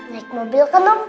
naik mobil kan om